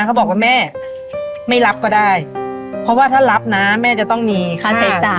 เขาบอกว่าแม่ไม่รับก็ได้เพราะว่าถ้ารับนะแม่จะต้องมีค่าใช้จ่าย